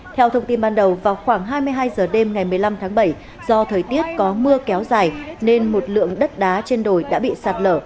theo thông tin ban đầu vào khoảng hai mươi hai h đêm ngày một mươi năm tháng bảy do thời tiết có mưa kéo dài nên một lượng đất đá trên đồi đã bị sạt lở